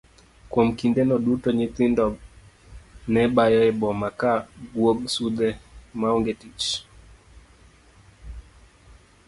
Kuom kinde no duto nyithindo nebayo e boma ka guog sudhe maonge tich.